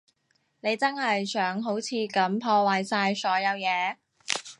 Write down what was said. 你真係想好似噉破壞晒所有嘢？